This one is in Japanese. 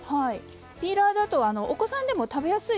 ピーラーだとお子さんでも食べやすい。